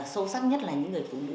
sâu sắc nhất là những người phụ nữ